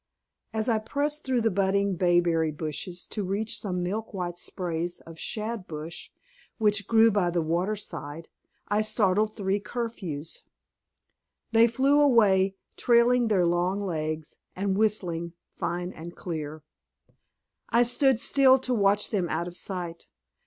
As I pressed through the budding bayberry bushes to reach some milk white sprays of shadbush which grew by the water side, I startled three curfews. They flew away, trailing their long legs, and whistling fine and clear. I stood still to watch them out of sight.